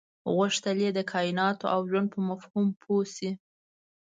غوښتل یې د کایناتو او ژوند په مفهوم پوه شي.